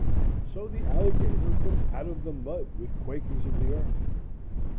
So the alligator comes out of the mud with quakings of the earth.